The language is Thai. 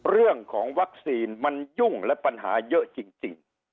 เรื่องของวัคซีนมันยุ่งและปัญหาเยอะจริง